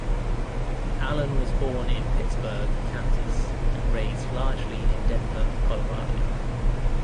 Allen was born in Pittsburg, Kansas, and raised largely in Denver, Colorado.